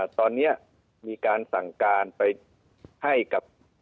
ตอนนี้มีการสั่งการไปให้กับ